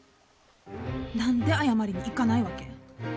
何で謝りに行かないわけ？